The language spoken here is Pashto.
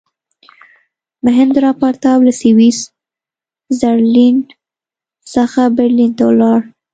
میهندراپراتاپ له سویس زرلینډ څخه برلین ته ولاړ.